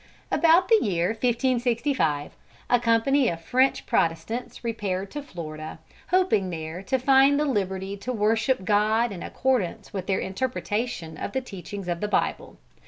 About the year 1565, a company of French Protestants repaired to Florida, hoping there to find the liberty to worship God in accordance with their interpretation of the teachings of the Bible.